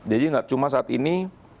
jadi nggak cuma saat ini